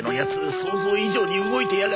想像以上に動いてやがる！